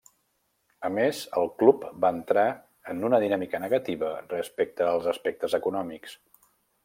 A més, el club va entrar en una dinàmica negativa respecte als aspectes econòmics.